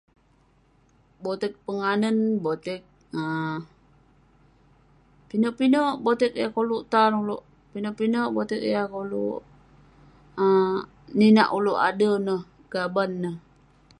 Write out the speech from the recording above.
Boteg penganen, boteg ah pinek pinek boteg eh koluk tan ulouk. Pinek boteg yah koluk ninak ulouk ader neh, gaban neh.